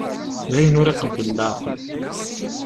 D ayen ur iqebbel leεqel.